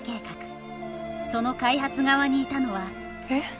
その開発側にいたのはえ？